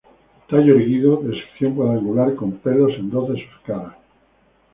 Tallo erguido de sección cuadrangular, con pelos en dos de sus caras.